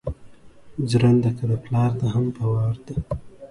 جرنده که دا پلار ده هم په وار ده